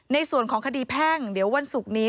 ในส่วนของคดีแพ่งเดี๋ยววันศุกร์นี้